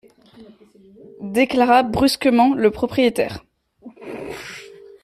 Déclara brusquement le propriétaire.